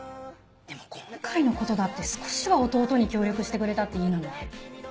でも今回のことだって少しは弟に協力してくれたっていいのにね。